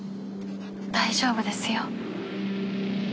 大丈夫ですよ。